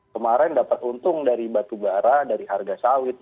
kemarin dapat untung dari batu bara dari harga sawit